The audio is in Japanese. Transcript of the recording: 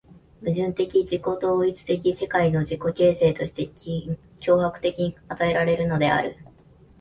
矛盾的自己同一的世界の自己形成として強迫的に与えられるのである。